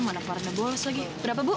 mana warna bolos lagi berapa bu